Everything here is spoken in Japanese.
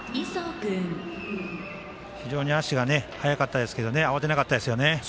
非常に足が速かったですけど慌てなかったですよね。